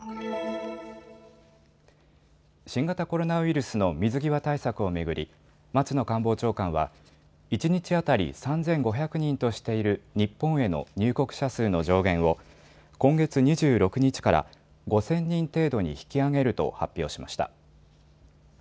新型コロナウイルスの水際対策を巡り、松野官房長官は一日当たり３５００人としている日本への入国者数の上限を今月２６日から５０００人程度に引き上げると発表しました。